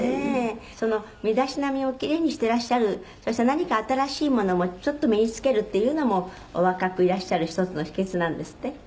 「その身だしなみをキレイにしてらっしゃるそして何か新しいものもちょっと身に着けるっていうのもお若くいらっしゃる一つの秘訣なんですって？」